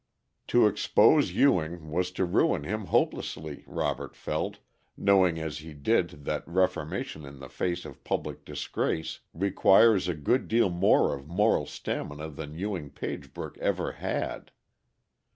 To expose Ewing was to ruin him hopelessly, Robert felt, knowing as he did that reformation in the face of public disgrace requires a good deal more of moral stamina than Ewing Pagebrook ever had.